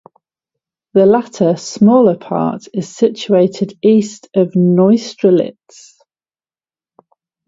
The latter, smaller part is situated east of Neustrelitz.